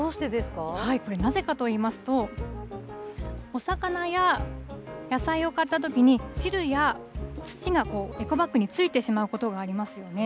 これ、なぜかといいますと、お魚や野菜を買ったときに、汁や土がエコバッグについてしまうことがありますよね。